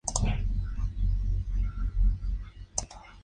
Se celebran a mediados de agosto, en honor de la Virgen de Luna.